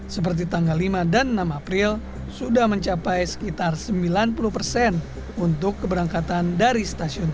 seperti tanggal lima dan enam april sudah mencapai sekitar sembilan puluh persen untuk keberangkatan dari stasiun